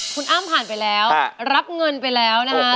คุณอ้ำผ่านไปแล้วรับเงินไปแล้วนะฮะ